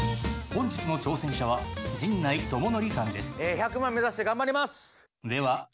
１００万目指して頑張ります！